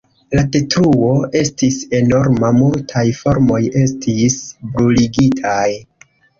La detruo estis enorma; multaj farmoj estis bruligitaj.